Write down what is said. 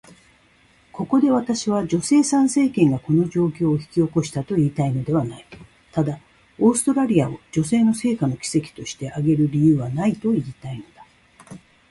ここで私は、女性参政権がこの状況を引き起こしたと言いたいのではない。ただ、オーストラリアを女性の成果の奇跡として挙げる理由はないと言いたいのだ。